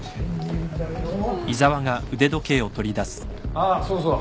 あっそうそう。